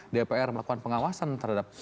dpr melakukan pengawasan terhadap